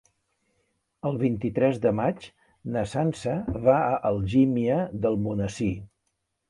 El vint-i-tres de maig na Sança va a Algímia d'Almonesir.